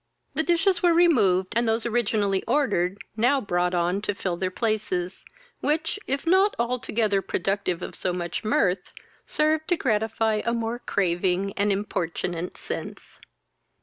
The dishes were removed, and those originally ordered now brought on to fill their places, which, if not altogether productive of so much mirth, served to gratify a more craving and imporunate sense.